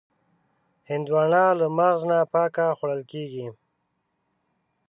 هندوانه له مغز نه پاکه خوړل کېږي.